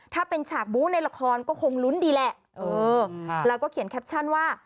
ถ้าเป็นฉากบู้ในละครก็คงลุ้นดีแหละเออแล้วก็เขียนแคปชั่นว่า